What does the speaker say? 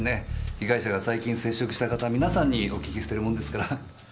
被害者が最近接触した方みなさんにお訊きしているものですから。